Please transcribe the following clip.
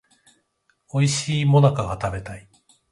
おいしい最中が食べたい